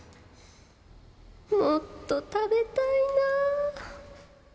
もっと食べたいなぁ。